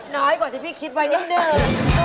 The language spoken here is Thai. น้อยกว่าที่พี่คิดไว้นิดนึง